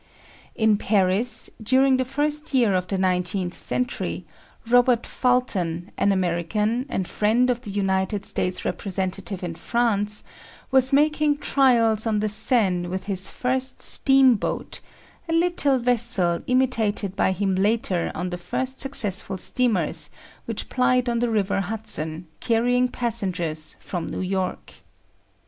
In Paris, during the first year of the nineteenth century, Robert Fulton, an American, and friend of the United States representative in France, was making trials on the Seine with his first steam boat a little vessel imitated by him later on in the first successful steamers which plied on the river Hudson, carrying passengers from New York.